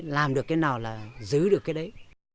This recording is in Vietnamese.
làm được cái nào là giữ được cái đấy